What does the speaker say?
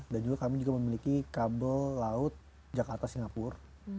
dan juga kami memiliki kabel laut jakarta singapur